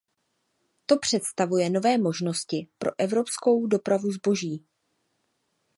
To představuje nové možnosti pro evropskou dopravu zboží.